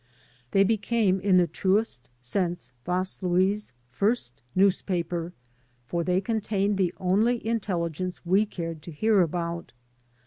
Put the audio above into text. They became, in the truest sense, Vaslui's first newspaper, for they contained the only intelligence we cared to hear about.